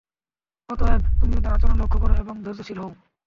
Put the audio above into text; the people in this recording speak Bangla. অতএব, তুমি ওদের আচরণ লক্ষ্য কর এবং ধৈর্যশীল হও।